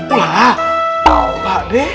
wah tau pak deh